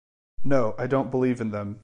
No, I don't believe in them.